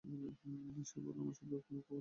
সে বলল, আমার সাথে অমুকও দেখেছে।